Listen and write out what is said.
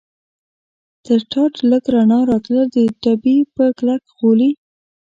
تر ټاټ لږ رڼا راتلل، د ډبې په کلک غولي.